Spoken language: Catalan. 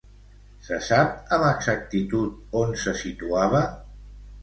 Se sap amb exactitud on se situava?